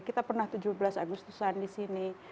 kita pernah tujuh belas agustusan di sini